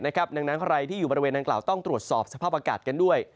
ดังนั้นใครที่อยู่บริเวณนางกล่าวต้องตรวจสอบสภาพอากาศกันด้วย